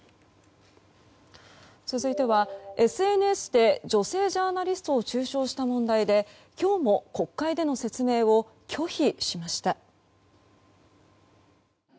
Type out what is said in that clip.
続いてはＳＮＳで、女性ジャーナリストを中傷した問題で、今日も国会での説明を拒否しました。